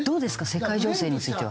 世界情勢については。